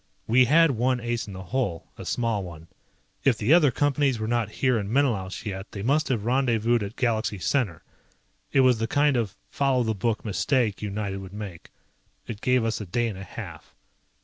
We had one ace in the hole, a small one. If the other Companies were not here in Menelaus yet, they must have rendezvoused at Galaxy Center. It was the kind of "follow the book" mistake United would make. It gave us a day and a half.